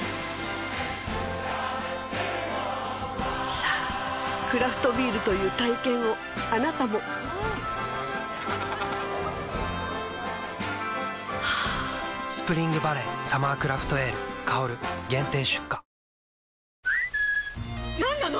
さぁクラフトビールという体験をあなたも「スプリングバレーサマークラフトエール香」限定出荷